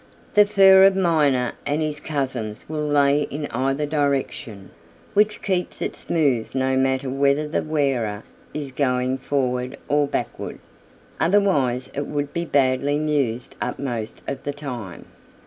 "The fur of Miner and his cousins will lay in either direction, which keeps it smooth no matter whether the wearer is going forward or backward. Otherwise it would be badly mussed up most of the time.